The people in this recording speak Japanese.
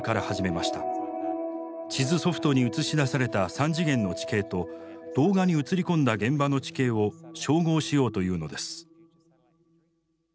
地図ソフトに映し出された３次元の地形と動画に映り込んだ現場の地形を照合しようというのです。